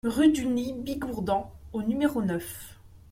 Rue du Nid Bigourdan au numéro neuf